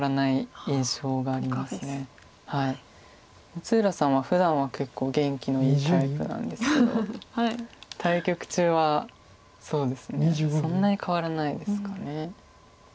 六浦さんはふだんは結構元気のいいタイプなんですけど対局中はそんなに変わらないですかね。